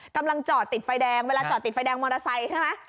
กำลังจอดติดไฟแดงเวลาจอดติดไฟแดงมอเตอร์ไซค์ใช่ไหม